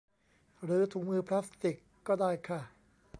หรือถุงมือพลาสติกก็ได้ค่ะ